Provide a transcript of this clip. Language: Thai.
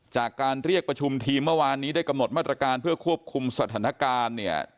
จากการเรียกประชุมทีมเมื่อวานนี้ได้กำหนดมาตรการเพื่อควบคุมสถานการณ์เนี่ย